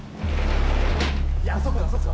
いやそっかそっか。